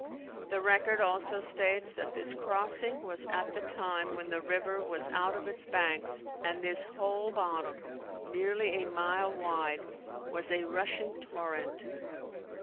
The record also states that this crossing was at the time when the river was out of its banks and this whole bottom, nearly a mile wide, was a rushing torrent.